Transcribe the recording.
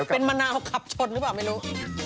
เป็นมะนาวขับชนหรือเปล่าไม่รู้